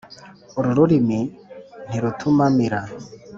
Uru rurimi ntirutuma mira.